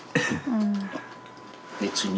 「別に」